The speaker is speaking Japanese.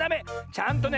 ちゃんとね